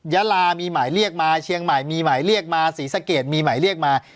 ยาลามีหมายเรียกมาเชียงใหม่มีหมายเรียกมาศรีสะเกดมีหมายเรียกมา